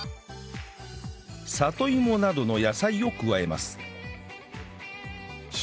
里芋などの野菜を加えます